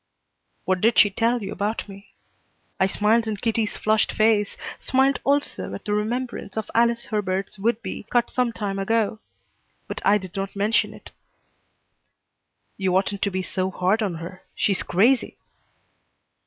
"What did she tell you about me?" I smiled in Kitty's flushed face, smiled also at the remembrance of Alice Herbert's would be cut some time ago, but I did not mention it. "You oughtn't to be so hard on her. She's crazy."